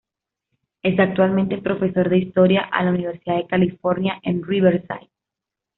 Es actualmente profesor de historia a la Universidad de California en Riverside.